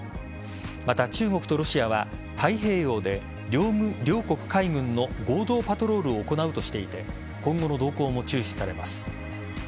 また、中国とロシアは太平洋で両国海軍の合同パトロールを行うとしていて今後の動向も注視されます。